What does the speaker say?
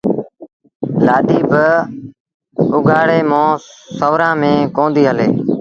لآڏي بآ اُگھآڙي مݩهݩ سُورآݩ ميݩ ڪونديٚ هلي